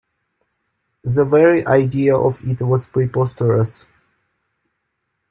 The very idea of it was preposterous.